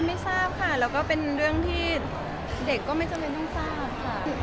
ไม่ทราบค่ะแล้วก็เป็นเรื่องที่เด็กก็ไม่จำเป็นต้องทราบค่ะ